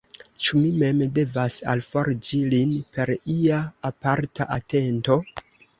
Ĉu mi mem devas alforĝi lin per ia aparta atento?